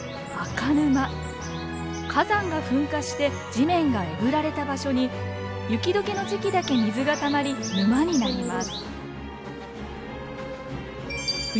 火山が噴火して地面がえぐられた場所に雪解けの時期だけ水がたまり沼になります。